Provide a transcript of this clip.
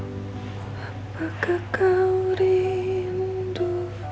apakah kau rindu